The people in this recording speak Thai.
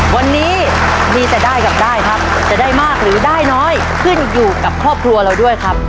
วันนี้มีแต่ได้กับได้ครับจะได้มากหรือได้น้อยขึ้นอยู่กับครอบครัวเราด้วยครับ